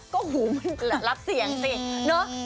ก็หูมันรับเสียงสิเนอะ